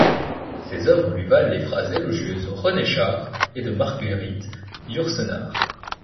Ses œuvres lui valent les phrases élogieuses de René Char et de Marguerite Yourcenar.